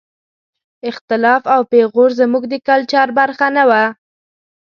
اختلاف او پېغور زموږ د کلچر برخه نه وه.